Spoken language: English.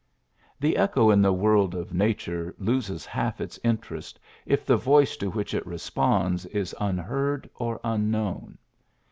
The echo in the world of nature loses half its interest, if the voice to which it responds is unheard or unknown.